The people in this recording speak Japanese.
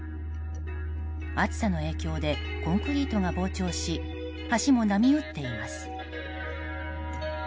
暑さの影響でコンクリートが膨張し橋も波打っています。